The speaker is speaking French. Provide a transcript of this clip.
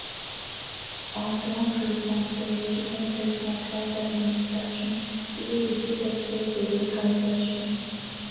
En tant que censeur du conseil central d'administration, il est le directeur de l'organisation.